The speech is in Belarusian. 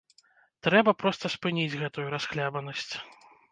Трэба проста спыніць гэтую расхлябанасць!